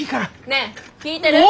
ねえ聞いてる？